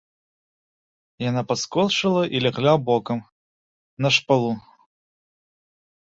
Яна падскочыла і лягла бокам на шпалу.